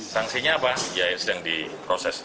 sanksinya apa yang sedang diproses